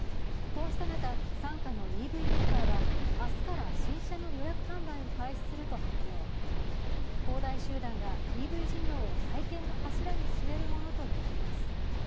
こうした中、傘下のＥＶメーカーは明日から新車の予約販売を開始すると発表、恒大集団がＥＶ事業を再建の柱に据えるものとみられます。